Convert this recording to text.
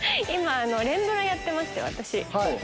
今連ドラやってまして私。